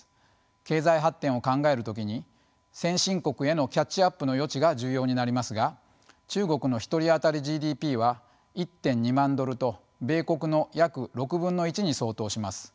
経済発展を考える時に先進国へのキャッチアップの余地が重要になりますが中国の１人当たりＧＤＰは１．２万ドルと米国の約６分の１に相当します。